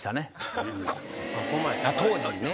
当時ね。